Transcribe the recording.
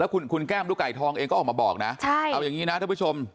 คุณแก้มลูกไก่ทองเองก็ออกมาบอกนะเอาอย่างนี้นะท่านผู้ชม